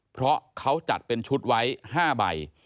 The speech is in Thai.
เพราะเขาจัดเป็นชุดไว้๕ใบ